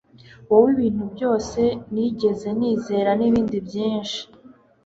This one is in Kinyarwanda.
Wowe nibintu byose nigeze nizera nibindi byinshi